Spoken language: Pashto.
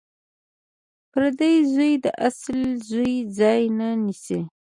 پردی زوی د اصلي زوی ځای نه نیسي